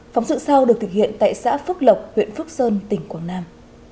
phóng sự sau được thực hiện tại xã phước lộc huyện phước sơn tỉnh quảng nam